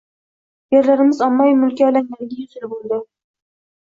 Yerlarimiz ommaviy mulkka aylanganiga yuz yil bo‘ldi